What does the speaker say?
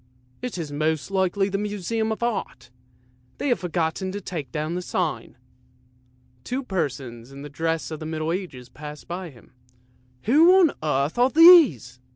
" It is most likely a Museum of Art, and they have forgotten to take down the sign." Two persons in the dress of the Middle Ages passed him. " Who on earth are these?